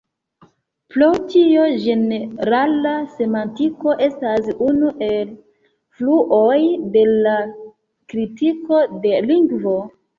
Pro tio ĝenerala semantiko estas unu el fluoj de la kritiko de lingvo.